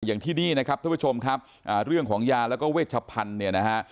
อย่างที่นี่นะครับท่านผู้ชมครับเรื่องของยาแล้วก็เวชพันธุ์เนี่ยนะฮะ